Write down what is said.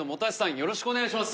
よろしくお願いします